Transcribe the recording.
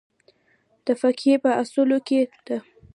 دا د فقهې په اصولو کې ده.